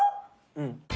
うん。